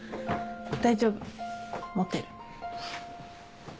大丈夫持てる。